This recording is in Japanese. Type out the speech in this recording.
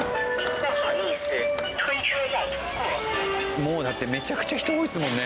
もうだってめちゃくちゃ人多いですもんね。